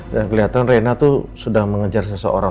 dan kelihatan reina tuh sudah mengejar seseorang